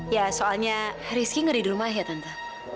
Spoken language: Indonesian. ya soalnya rizky gak ada di rumah ya tante